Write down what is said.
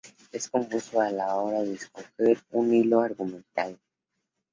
Es confuso a la hora de escoger un hilo argumental.